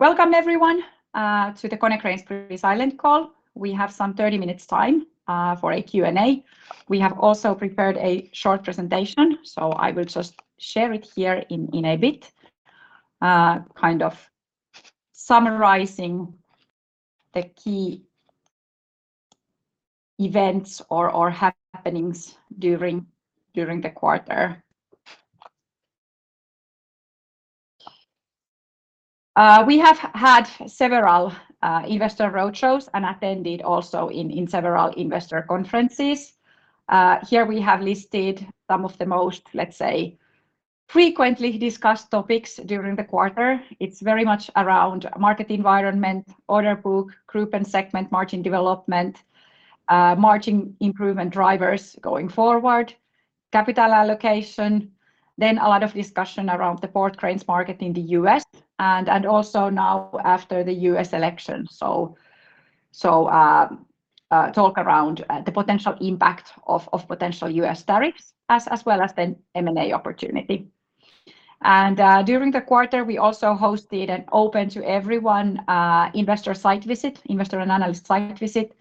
Welcome, everyone, to the Konecranes Pre-Silent Call. We have some 30 minutes time for a Q&A. We have also prepared a short presentation, so I will just share it here in a bit, kind of summarizing the key events or happenings during the quarter. We have had several investor roadshows and attended also in several investor conferences. Here we have listed some of the most, let's say, frequently discussed topics during the quarter. It's very much around market environment, order book, group and segment margin development, margin improvement drivers going forward, capital allocation. Then a lot of discussion around the port cranes market in the U.S. and also now after the U.S. election. So talk around the potential impact of potential U.S. tariffs as well as the M&A opportunity. And during the quarter, we also hosted an open-to-everyone investor site visit, investor and analyst site visit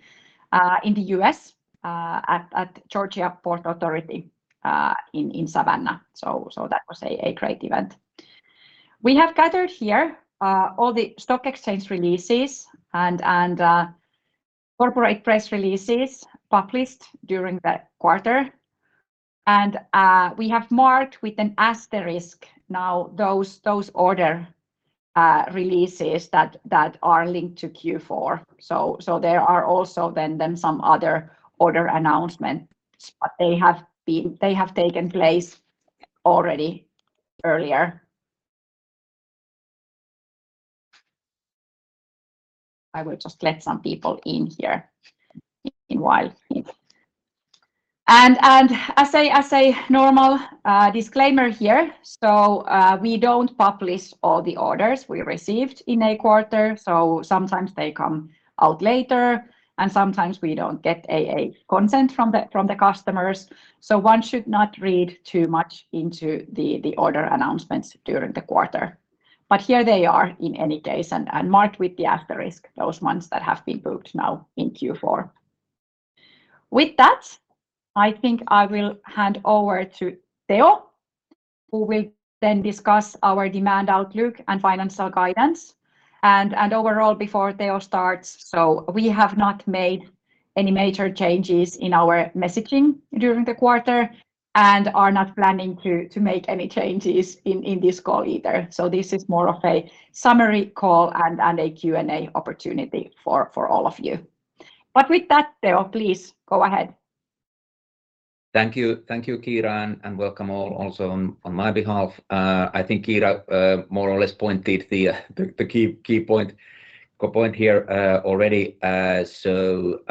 in the U.S. at Georgia Ports Authority in Savannah. So that was a great event. We have gathered here all the stock exchange releases and corporate press releases published during the quarter. And we have marked with an asterisk now those order releases that are linked to Q4. So there are also then some other order announcements, but they have taken place already earlier. I will just let some people in here meanwhile. And as a normal disclaimer here, so we don't publish all the orders we received in a quarter. So sometimes they come out later and sometimes we don't get a consent from the customers. So one should not read too much into the order announcements during the quarter. But here they are in any case and marked with the asterisk, those ones that have been booked now in Q4. With that, I think I will hand over to Teo, who will then discuss our demand outlook and financial guidance. And overall, before Teo starts, so we have not made any major changes in our messaging during the quarter and are not planning to make any changes in this call either. So this is more of a summary call and a Q&A opportunity for all of you. But with that, Teo, please go ahead. Thank you, Kiira, and welcome all also on my behalf. I think Kiira more or less pointed the key point here already, so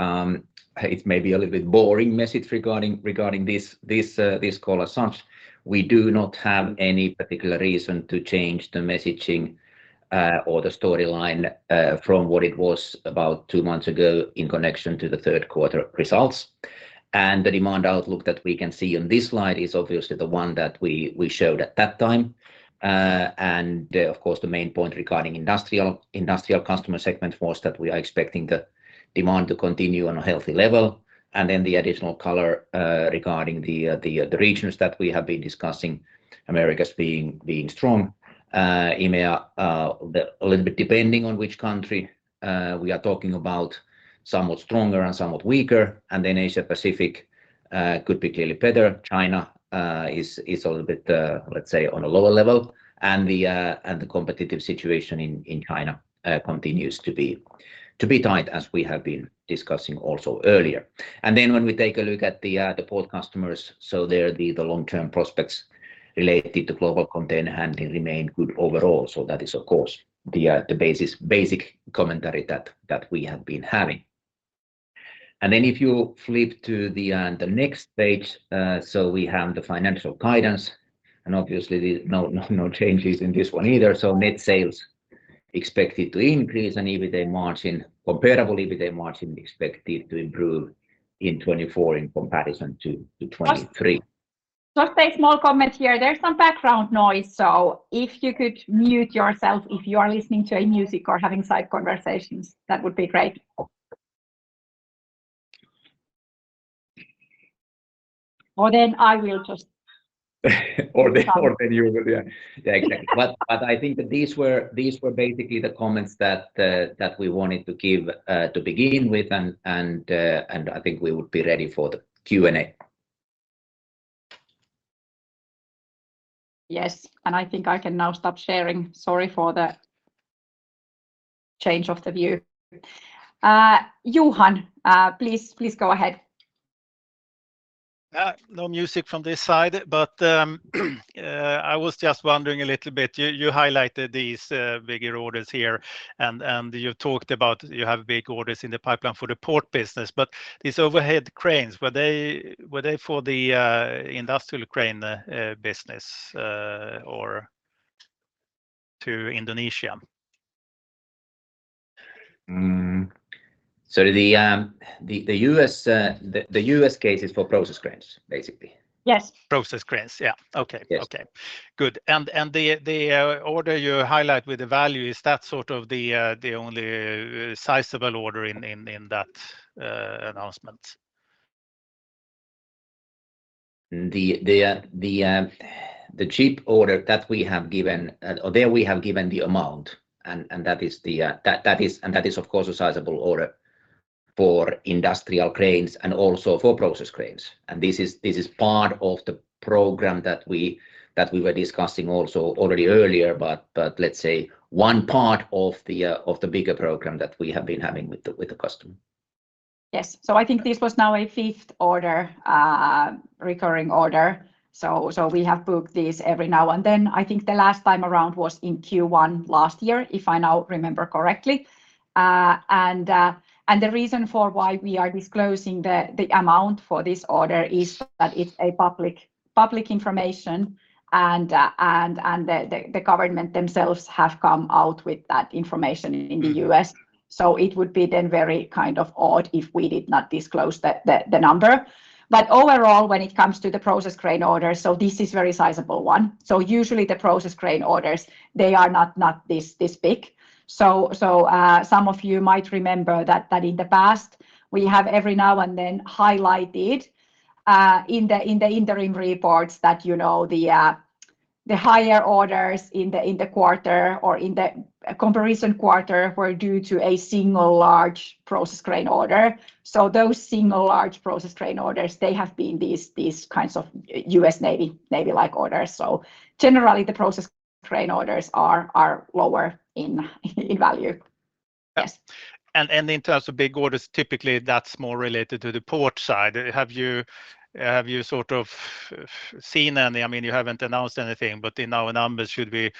it may be a little bit boring message regarding this call as such. We do not have any particular reason to change the messaging or the storyline from what it was about two months ago in connection to the third quarter results, and the demand outlook that we can see on this slide is obviously the one that we showed at that time. Of course, the main point regarding industrial customer segment was that we are expecting the demand to continue on a healthy level, and then the additional color regarding the regions that we have been discussing, Americas being strong. EMEA, a little bit depending on which country we are talking about, somewhat stronger and somewhat weaker. Asia-Pacific could be clearly better. China is a little bit, let's say, on a lower level. And the competitive situation in China continues to be tight, as we have been discussing also earlier. And then when we take a look at the port customers, so their long-term prospects related to global container handling remain good overall. So that is, of course, the basic commentary that we have been having. And then if you flip to the next page, so we have the financial guidance. And obviously, no changes in this one either. So net sales expected to increase and EBITDA margin, comparable EBITDA margin expected to improve in 2024 in comparison to 2023. Just a small comment here. There's some background noise, so if you could mute yourself if you are listening to a music or having side conversations, that would be great. Or then I will just. Or then you will. Yeah, exactly. But I think that these were basically the comments that we wanted to give to begin with, and I think we would be ready for the Q&A. Yes, and I think I can now stop sharing. Sorry for the change of the view. Johan, please go ahead. No music from this side, but I was just wondering a little bit. You highlighted these bigger orders here, and you've talked about you have big orders in the pipeline for the port business, but these overhead cranes, were they for the industrial crane business or to Indonesia? The U.S. case is for process cranes, basically. Yes. Process cranes, yeah. Okay, okay. Good. And the order you highlight with the value, is that sort of the only sizable order in that announcement? The large order that we have received, where we have given the amount, and that is, of course, a sizable order for industrial cranes and also for process cranes. This is part of the program that we were discussing also already earlier, but let's say one part of the bigger program that we have been having with the customer. Yes, so I think this was now a fifth order, recurring order, so we have booked these every now and then. I think the last time around was in Q1 last year, if I now remember correctly, and the reason for why we are disclosing the amount for this order is that it's public information, and the government themselves have come out with that information in the U.S., so it would be then very kind of odd if we did not disclose the number, but overall, when it comes to the process crane orders, so this is a very sizable one, so usually the process crane orders, they are not this big. Some of you might remember that in the past, we have every now and then highlighted in the interim reports that the higher orders in the quarter or in the comparison quarter were due to a single large process crane order. Those single large process crane orders, they have been these kinds of U.S. Navy-like orders. Generally, the process crane orders are lower in value. And in terms of big orders, typically that's more related to the port side. Have you sort of seen any? I mean, you haven't announced anything, but in our numbers, should we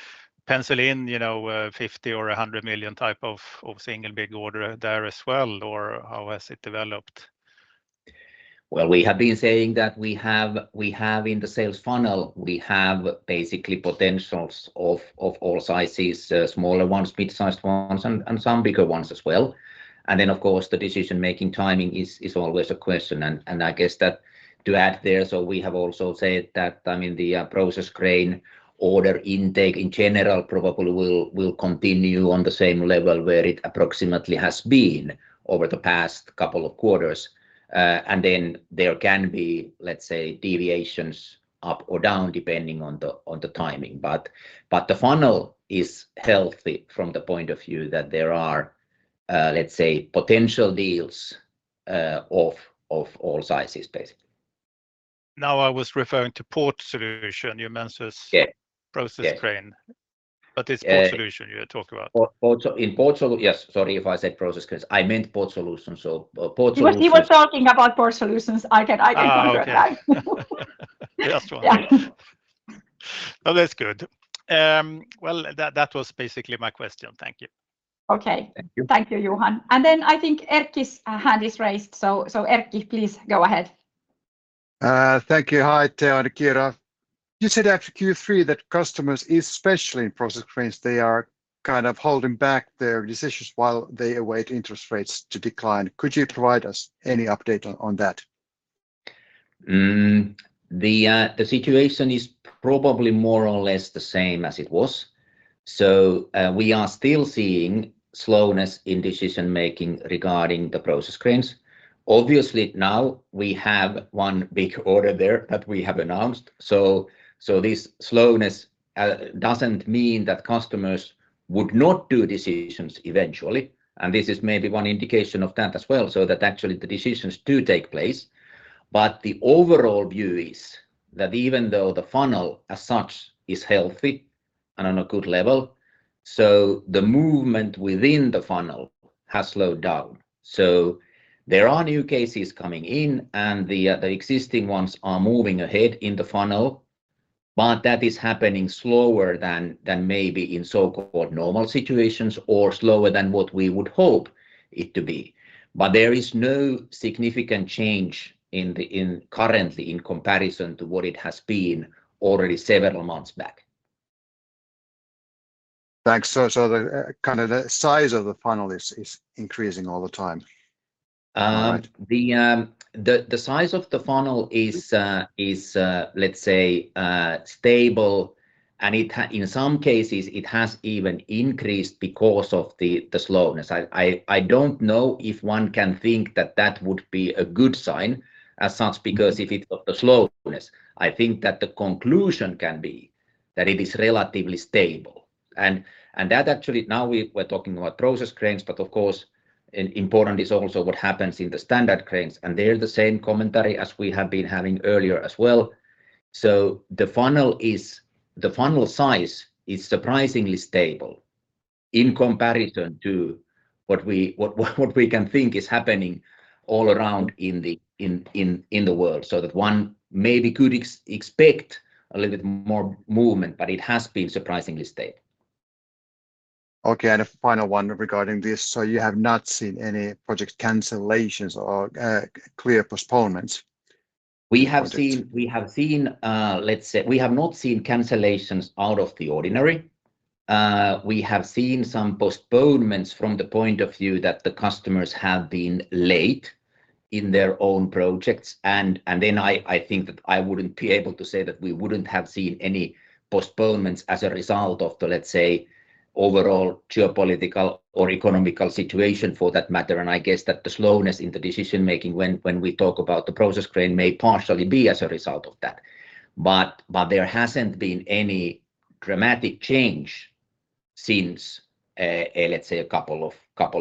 pencil in 50 million or 100 million type of single big order there as well, or how has it developed? We have been saying that we have in the sales funnel, we have basically potentials of all sizes, smaller ones, mid-sized ones, and some bigger ones as well. Of course, the decision-making timing is always a question. I guess that to add there, so we have also said that, I mean, the process crane order intake in general probably will continue on the same level where it approximately has been over the past couple of quarters. There can be, let's say, deviations up or down depending on the timing. The funnel is healthy from the point of view that there are, let's say, potential deals of all sizes, basically. Now I was referring to Port Solutions, you meant process crane, but it's Port Solutions you're talking about. In Port Solutions, yes. Sorry if I said process cranes. I meant Port Solutions. He was talking about Port Solutions. I can correct that. That's fine. Well, that's good. Well, that was basically my question. Thank you. Okay. Thank you, Johan. And then I think Erkki's hand is raised. So Erkki, please go ahead. Thank you. Hi, Teo and Kiira. You said after Q3 that customers, especially in process cranes, they are kind of holding back their decisions while they await interest rates to decline. Could you provide us any update on that? The situation is probably more or less the same as it was, so we are still seeing slowness in decision-making regarding the process cranes. Obviously, now we have one big order there that we have announced, so this slowness doesn't mean that customers would not do decisions eventually, and this is maybe one indication of that as well, so that actually the decisions do take place, but the overall view is that even though the funnel as such is healthy and on a good level, so the movement within the funnel has slowed down, so there are new cases coming in, and the existing ones are moving ahead in the funnel, but that is happening slower than maybe in so-called normal situations or slower than what we would hope it to be, but there is no significant change currently in comparison to what it has been already several months back. Thanks. So kind of the size of the funnel is increasing all the time. The size of the funnel is, let's say, stable, and in some cases, it has even increased because of the slowness. I don't know if one can think that that would be a good sign as such, because of the slowness. I think that the conclusion can be that it is relatively stable, and that actually, now we're talking about process cranes, but of course, important is also what happens in the standard cranes, and they're the same commentary as we have been having earlier as well, so the funnel size is surprisingly stable in comparison to what we can think is happening all around in the world, so that one maybe could expect a little bit more movement, but it has been surprisingly stable. Okay. And a final one regarding this. So you have not seen any project cancellations or clear postponements? We have seen, let's say, we have not seen cancellations out of the ordinary. We have seen some postponements from the point of view that the customers have been late in their own projects, and then I think that I wouldn't be able to say that we wouldn't have seen any postponements as a result of the, let's say, overall geopolitical or economic situation for that matter, and I guess that the slowness in the decision-making when we talk about the process crane may partially be as a result of that, but there hasn't been any dramatic change since, let's say, a couple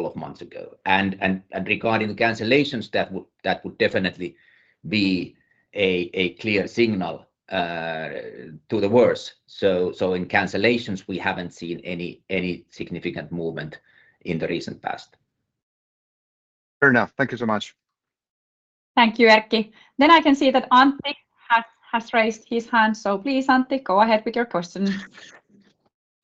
of months ago, and regarding the cancellations, that would definitely be a clear signal to the worse, so in cancellations, we haven't seen any significant movement in the recent past. Fair enough. Thank you so much. Thank you, Erkki. Then I can see that Antti has raised his hand. So please, Antti, go ahead with your question.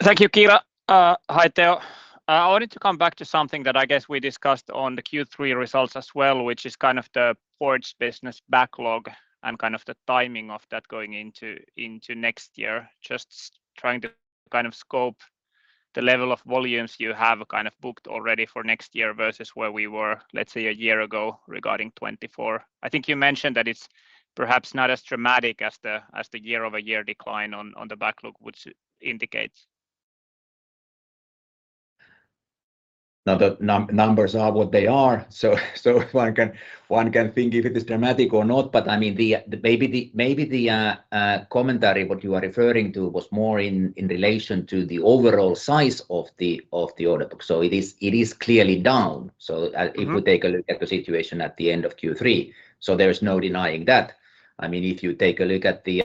Thank you, Kiira. Hi, Teo. I wanted to come back to something that I guess we discussed on the Q3 results as well, which is kind of the ports business backlog and kind of the timing of that going into next year. Just trying to kind of scope the level of volumes you have kind of booked already for next year versus where we were, let's say, a year ago regarding 2024. I think you mentioned that it's perhaps not as dramatic as the year-over-year decline on the backlog would indicate. Now the numbers are what they are. So one can think if it is dramatic or not, but I mean, maybe the commentary what you are referring to was more in relation to the overall size of the order book. So it is clearly down. So if we take a look at the situation at the end of Q3, so there's no denying that. I mean, if you take a look at the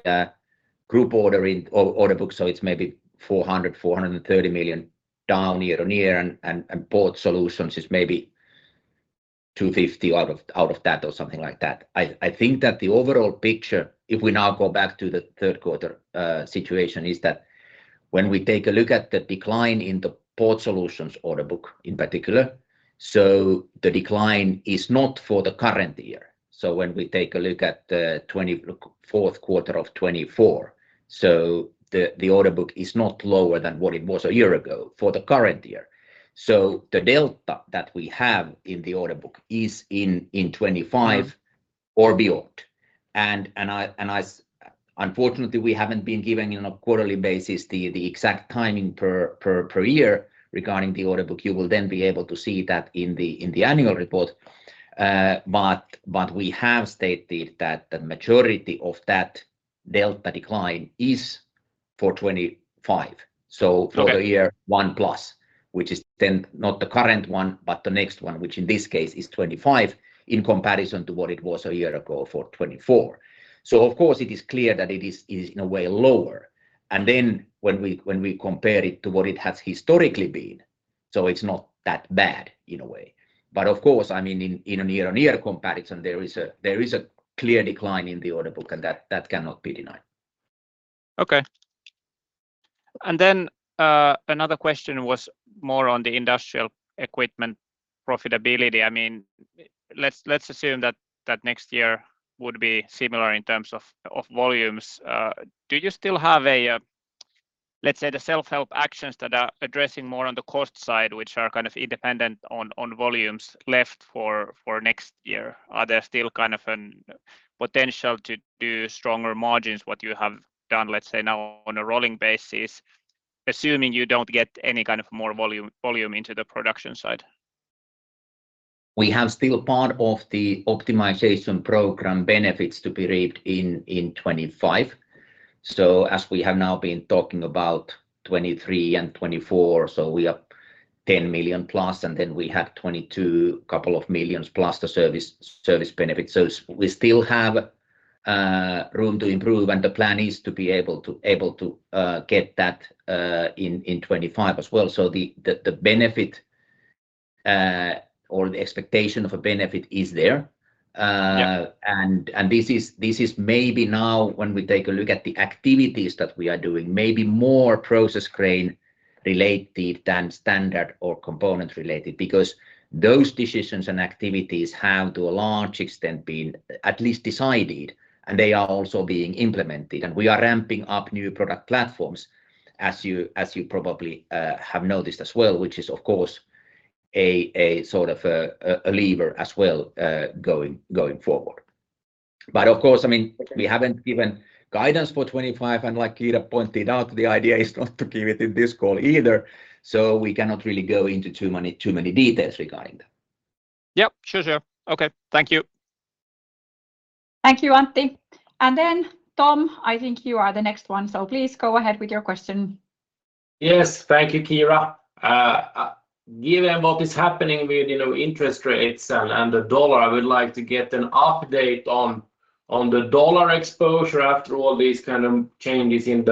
group order book, so it's maybe 400-430 million down year on year, and Port Solutions is maybe 250 million out of that or something like that. I think that the overall picture, if we now go back to the third quarter situation, is that when we take a look at the decline in the Port Solutions order book in particular, so the decline is not for the current year. When we take a look at the fourth quarter of 2024, the order book is not lower than what it was a year ago for the current year. The delta that we have in the order book is in 2025 or beyond. Unfortunately, we haven't been given on a quarterly basis the exact timing per year regarding the order book. You will then be able to see that in the annual report. We have stated that the majority of that delta decline is for 2025. For the year one plus, which is then not the current one, but the next one, which in this case is 2025 in comparison to what it was a year ago for 2024. Of course, it is clear that it is in a way lower. And then when we compare it to what it has historically been, so it's not that bad in a way. But of course, I mean, in a year-on-year comparison, there is a clear decline in the order book, and that cannot be denied. Okay. And then another question was more on the Industrial Equipment profitability. I mean, let's assume that next year would be similar in terms of volumes. Do you still have a, let's say, the self-help actions that are addressing more on the cost side, which are kind of independent on volumes left for next year? Are there still kind of a potential to do stronger margins what you have done, let's say, now on a rolling basis, assuming you don't get any kind of more volume into the production side? We have still part of the optimization program benefits to be reaped in 2025, so as we have now been talking about 2023 and 2024, so we have 10 million plus, and then we had 2022, a couple of millions plus the service benefits. So we still have room to improve, and the plan is to be able to get that in 2025 as well. So the benefit or the expectation of a benefit is there. And this is maybe now when we take a look at the activities that we are doing, maybe more process crane related than standard or component related, because those decisions and activities have to a large extent been at least decided, and they are also being implemented. We are ramping up new product platforms, as you probably have noticed as well, which is, of course, a sort of a lever as well going forward. But of course, I mean, we haven't given guidance for 2025, and like Kiira pointed out, the idea is not to give it in this call either. So we cannot really go into too many details regarding that. Yep. Sure, sure. Okay. Thank you. Thank you, Antti, and then Tom, I think you are the next one, so please go ahead with your question. Yes. Thank you, Kiira. Given what is happening with interest rates and the dollar, I would like to get an update on the dollar exposure after all these kind of changes in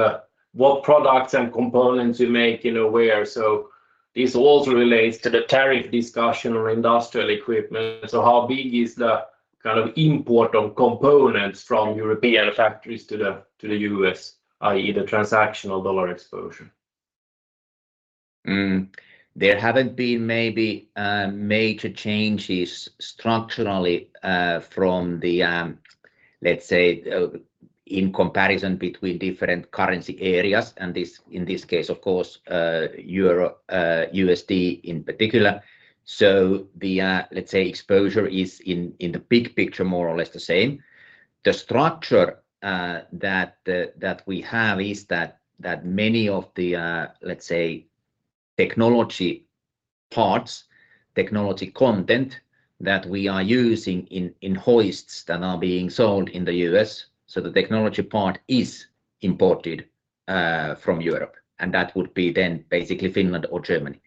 what products and components you make and where. So this also relates to the tariff discussion on industrial equipment. So how big is the kind of import of components from European factories to the U.S., i.e., the transactional dollar exposure? There haven't been maybe major changes structurally from the, let's say, in comparison between different currency areas, and in this case, of course, USD in particular. So the, let's say, exposure is in the big picture more or less the same. The structure that we have is that many of the, let's say, technology parts, technology content that we are using in hoists that are being sold in the U.S., so the technology part is imported from Europe. And that would be then basically Finland or Germany.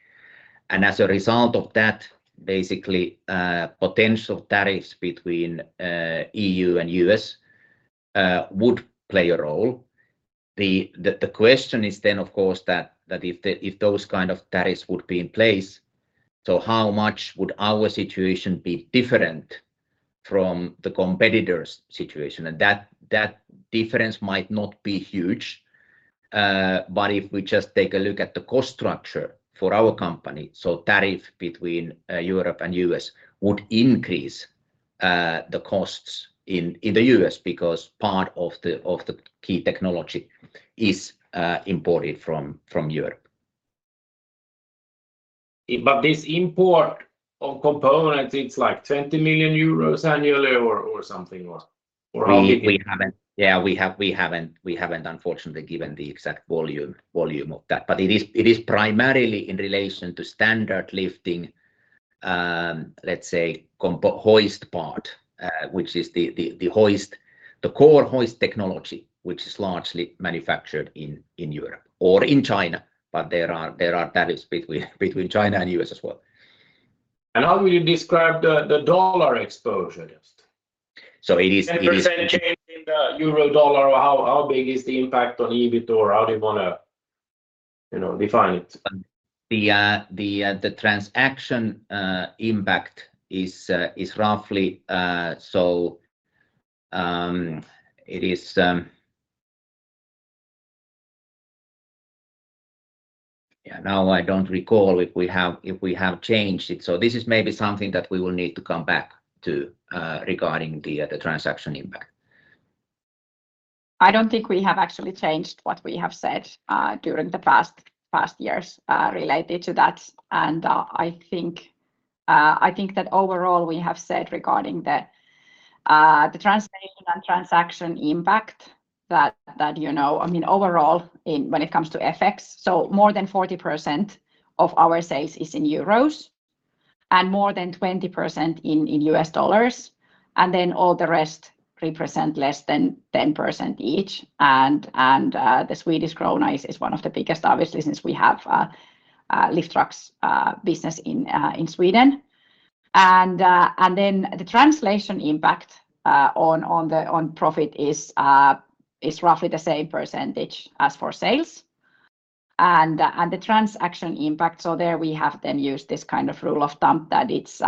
And as a result of that, basically, potential tariffs between E.U. and U.S. would play a role. The question is then, of course, that if those kind of tariffs would be in place, so how much would our situation be different from the competitor's situation? And that difference might not be huge, but if we just take a look at the cost structure for our company, so tariff between Europe and U.S. would increase the costs in the U.S. because part of the key technology is imported from Europe. But this import of components, it's like 20 million euros annually or something, or how big? Yeah, we haven't, unfortunately, given the exact volume of that. But it is primarily in relation to standard lifting, let's say, hoist part, which is the core hoist technology, which is largely manufactured in Europe or in China. But there are tariffs between China and U.S. as well. How would you describe the dollar exposure just? So it is. The percent change in the euro dollar, or how big is the impact on EBITDA? How do you want to define it? The transaction impact is roughly so it is, now I don't recall if we have changed it, so this is maybe something that we will need to come back to regarding the transaction impact. I don't think we have actually changed what we have said during the past years related to that. I think that overall we have said regarding the translation and transaction impact that, I mean, overall when it comes to FX, so more than 40% of our sales is in EUR and more than 20% in USD. Then all the rest represent less than 10% each. The Swedish Krona is one of the biggest, obviously, since we have a lift trucks business in Sweden. Then the translation impact on profit is roughly the same percentage as for sales. The transaction impact, so there we have then used this kind of rule of thumb that it's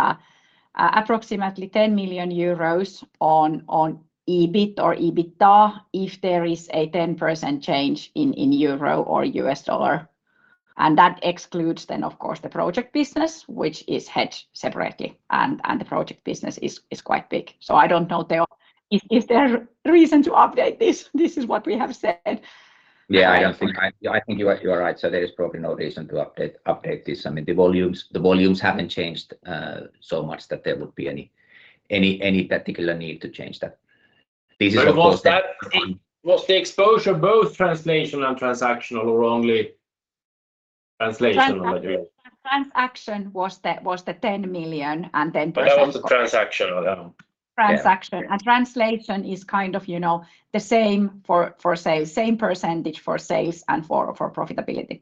approximately 10 million euros on EBIT or EBITDA if there is a 10% change in EUR or USD. And that excludes then, of course, the project business, which is held separately. And the project business is quite big. So I don't know if there's a reason to update this. This is what we have said. Yeah, I don't think you are right. So there is probably no reason to update this. I mean, the volumes haven't changed so much that there would be any particular need to change that. Was the exposure both translation and transactional or only translation? Transaction was the 10 million and 10%. That was the transactional. Transaction and translation is kind of the same for sales, same percentage for sales and for profitability.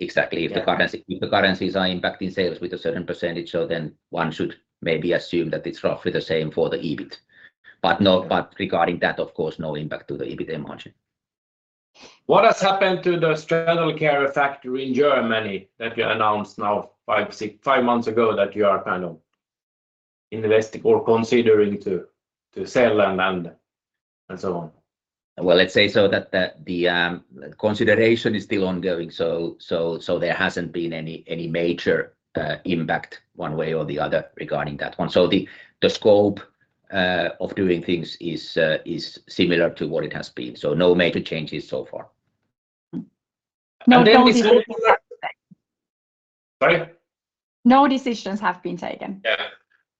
Exactly. If the currencies are impacting sales with a certain percentage, so then one should maybe assume that it's roughly the same for the EBIT. But regarding that, of course, no impact to the EBIT margin. What has happened to the straddle carrier factory in Germany that you announced now five months ago that you are kind of investing or considering to sell and so on? Let's say so that the consideration is still ongoing. So there hasn't been any major impact one way or the other regarding that one. So the scope of doing things is similar to what it has been. So no major changes so far. No decisions have been taken. Yeah.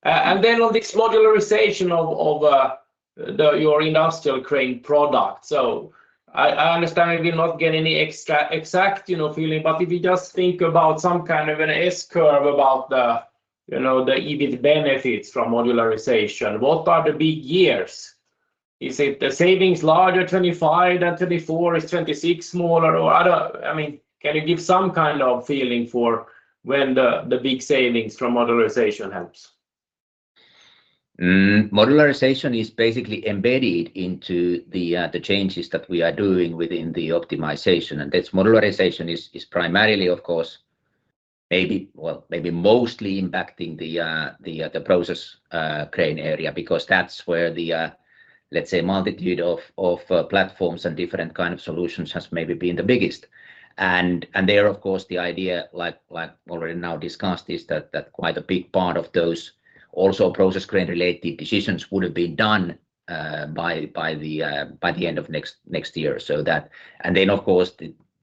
And then on this modularization of your industrial crane product, so I understand you will not get any exact feeling, but if you just think about some kind of an S-curve about the EBIT benefits from modularization, what are the big years? Is it the savings larger in 2025 than 2024? Is 2026 smaller? I mean, can you give some kind of feeling for when the big savings from modularization helps? Modularization is basically embedded into the changes that we are doing within the optimization. That's modularization is primarily, of course, maybe mostly impacting the process crane area because that's where the, let's say, multitude of platforms and different kind of solutions has maybe been the biggest. There, of course, the idea, like already now discussed, is that quite a big part of those also process crane-related decisions would have been done by the end of next year. Then, of course,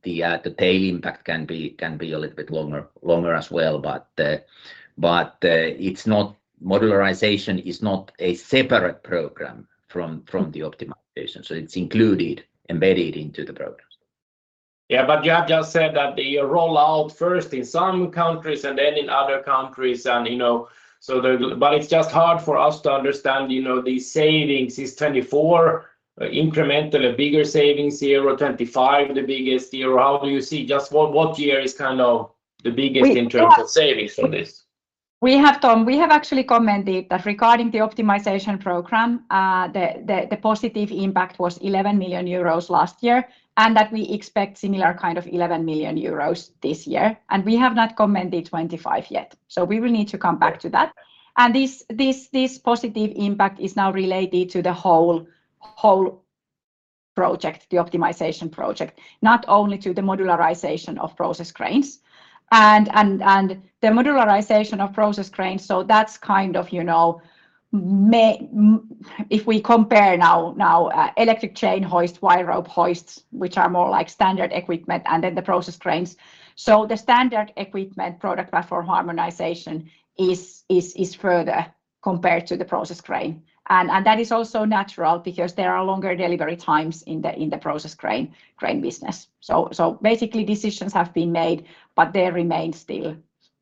the tail impact can be a little bit longer as well. Modularization is not a separate program from the optimization. It's included, embedded into the program. Yeah, but you have just said that you roll out first in some countries and then in other countries. So, but it's just hard for us to understand these savings. Is 2024 incrementally a bigger savings year or 2025 the biggest year? Or how do you see just what year is kind of the biggest in terms of savings for this? We have, Tom, we have actually commented that regarding the optimization program, the positive impact was 11 million euros last year, and that we expect similar kind of 11 million euros this year. And we have not commented 25 yet. So we will need to come back to that. And this positive impact is now related to the whole project, the optimization project, not only to the modularization of process cranes. And the modularization of process cranes, so that's kind of if we compare now electric chain hoist, wire rope hoists, which are more like standard equipment, and then the process cranes. So the standard equipment product platform harmonization is further compared to the process crane. And that is also natural because there are longer delivery times in the process crane business. So basically, decisions have been made, but there remains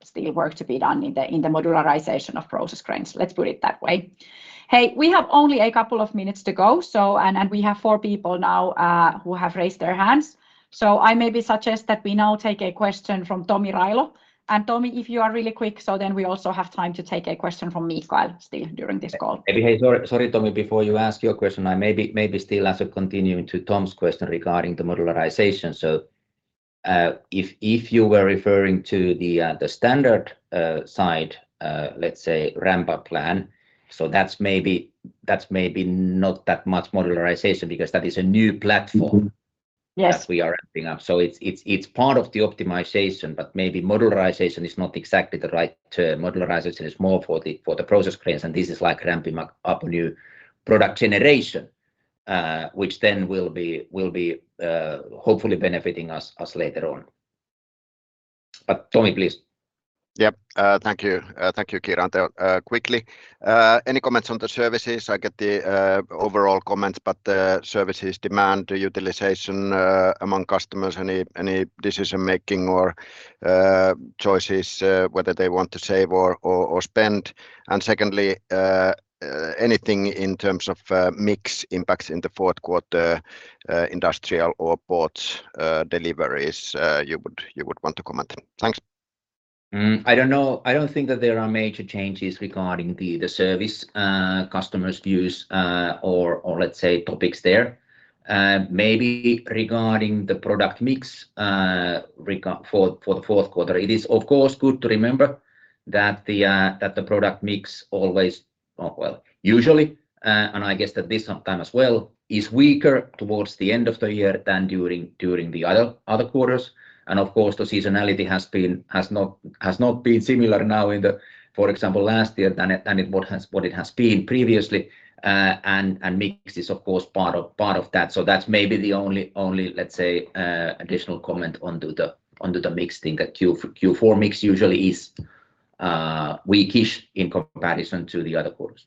still work to be done in the modularization of process cranes. Let's put it that way. Hey, we have only a couple of minutes to go, and we have four people now who have raised their hands. So I maybe suggest that we now take a question from Tomi Railo. And Tomi, if you are really quick, so then we also have time to take a question from Mikael still during this call. Sorry, Tomi, before you ask your question, I maybe still have to continue to Tom's question regarding the modularization. So if you were referring to the standard side, let's say, ramp-up plan, so that's maybe not that much modularization because that is a new platform that we are ramping up. So it's part of the optimization, but maybe modularization is not exactly the right term. Modularization is more for the process cranes, and this is like ramping up a new product generation, which then will be hopefully benefiting us later on. But Tomi, please. Yep. Thank you. Thank you, Kiira, and quickly, any comments on the services? I get the overall comments, but the services demand the utilization among customers, any decision-making or choices, whether they want to save or spend. And secondly, anything in terms of mixed impacts in the fourth quarter industrial or ports deliveries you would want to comment? Thanks. I don't know. I don't think that there are major changes regarding the service customers' views or, let's say, topics there. Maybe regarding the product mix for the fourth quarter, it is, of course, good to remember that the product mix always, well, usually, and I guess that this time as well, is weaker towards the end of the year than during the other quarters. And of course, the seasonality has not been similar now in the, for example, last year than what it has been previously. And mix is, of course, part of that. So that's maybe the only, let's say, additional comment onto the mix thing that Q4 mix usually is weakish in comparison to the other quarters.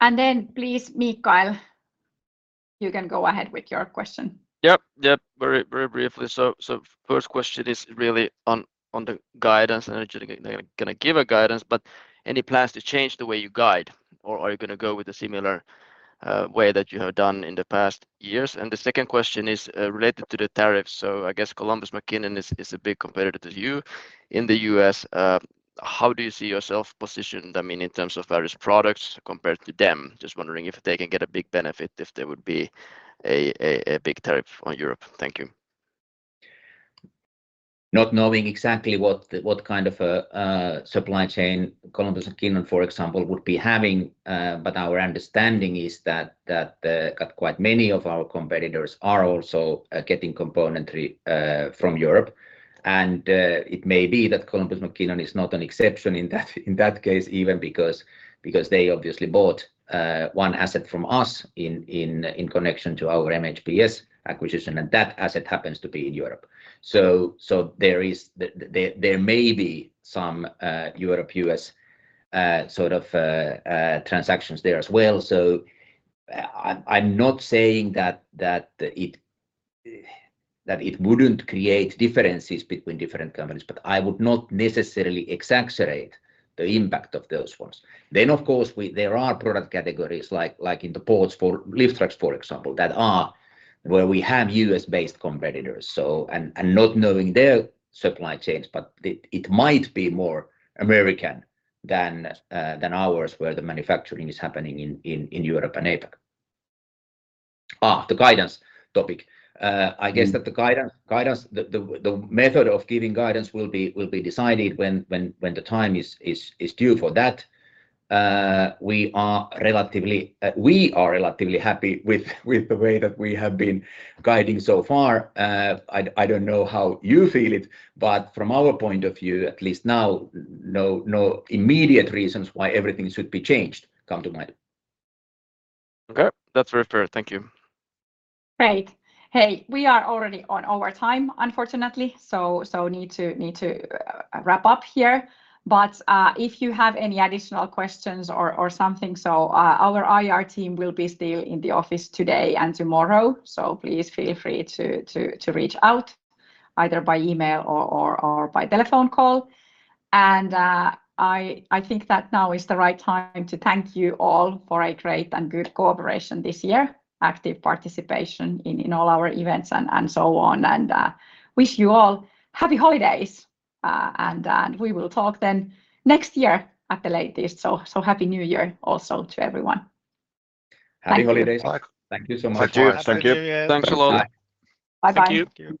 And then please, Mikael, you can go ahead with your question. Yep, yep. Very briefly. So first question is really on the guidance. I'm not going to give a guidance, but any plans to change the way you guide? Or are you going to go with a similar way that you have done in the past years? And the second question is related to the tariffs. So I guess Columbus McKinnon is a big competitor to you in the U.S. How do you see yourself positioned, I mean, in terms of various products compared to them? Just wondering if they can get a big benefit if there would be a big tariff on Europe. Thank you. Not knowing exactly what kind of a supply chain Columbus McKinnon, for example, would be having. Our understanding is that quite many of our competitors are also getting componentry from Europe. It may be that Columbus McKinnon is not an exception in that case, even because they obviously bought one asset from us in connection to our MHPS acquisition, and that asset happens to be in Europe. There may be some Europe-US sort of transactions there as well. I'm not saying that it wouldn't create differences between different companies, but I would not necessarily exaggerate the impact of those ones. Of course, there are product categories like in the ports for lift trucks, for example, that are where we have US-based competitors. Not knowing their supply chains, it might be more American than ours where the manufacturing is happening in Europe and APAC. The guidance topic. I guess that the method of giving guidance will be decided when the time is due for that. We are relatively happy with the way that we have been guiding so far. I don't know how you feel it, but from our point of view, at least now, no immediate reasons why everything should be changed come to mind. Okay. That's very fair. Thank you. Great. Hey, we are already on overtime, unfortunately, so need to wrap up here. But if you have any additional questions or something, so our IR team will be still in the office today and tomorrow. So please feel free to reach out either by email or by telephone call. And I think that now is the right time to thank you all for a great and good cooperation this year, active participation in all our events and so on. And wish you all happy holidays. And we will talk then next year at the latest. So happy New Year also to everyone. Happy holidays, Mike. Thank you so much. Thank you. Thanks a lot. Bye-bye. Thank you.